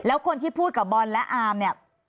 แล้วคนที่พูดกับบอลและอามเนี่ย